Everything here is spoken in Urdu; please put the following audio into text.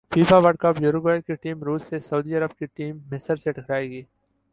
فیفا ورلڈ کپ یوروگوئے کی ٹیم روس سے سعودی عرب کی ٹیم مصر سے ٹکرائے گی